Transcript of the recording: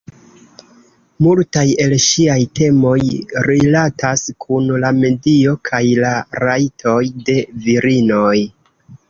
Multaj el ŝiaj temoj rilatas kun la medio kaj la rajtoj de virinoj.